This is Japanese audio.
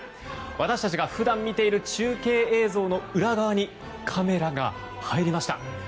私たちが普段見ている中継映像の裏側にカメラが入りました。